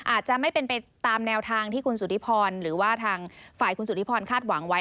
อาจจะไม่เป็นไปตามแนวทางที่คุณสุธิพรหรือว่าทางฝ่ายคุณสุธิพรคาดหวังไว้